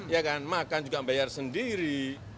ya kan makan juga membayar sendiri